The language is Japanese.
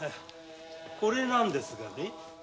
これなんですよ。